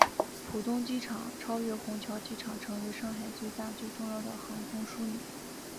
浦东机场超越虹桥机场成为上海最大最重要的航空枢纽。